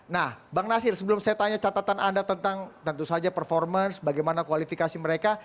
nah bang nasir sebelum saya tanya catatan anda tentang tentu saja performance bagaimana kualifikasi mereka